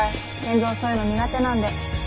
健三そういうの苦手なんで。